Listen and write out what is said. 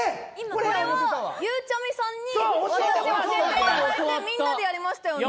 これはゆうちゃみさんに我々教えていただいてみんなでやりましたよね